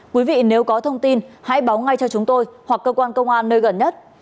quý vị nếu có thông tin hãy báo ngay cho chúng tôi hoặc cơ quan công an nơi gần nhất